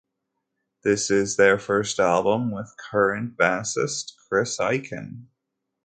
This is their first album with current bassist, Chris Aiken.